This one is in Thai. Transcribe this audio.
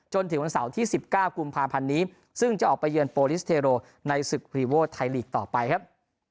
จนถึงวันเสาร์ที่๑๙กุมภาพันธ์นี้ซึ่งจะออกไปเยือนโปรลิสเทโรในศึกพรีโวไทยลีกต่อไปครับ